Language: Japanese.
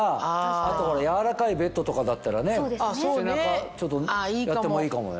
あと柔らかいベッドとかだったらね背中ちょっとやってもいいかもね。